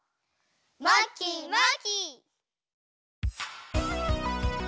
まきまき！